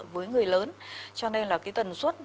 với người lớn cho nên là cái tần suất